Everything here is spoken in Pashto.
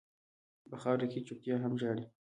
په خاوره کې چپتيا هم ژاړي.